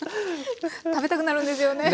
食べたくなるんですよね。